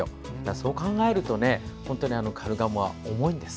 そう考えると本当にカルガモは重いんです。